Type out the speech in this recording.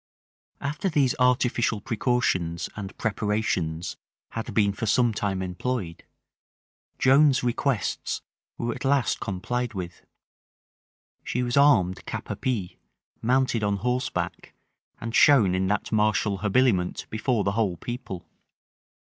After these artificial precautions and preparations had been for some time employed, Joan's requests were at last complied with: she was armed cap à pie, mounted on horseback, and shown in that martial habiliment before the whole people.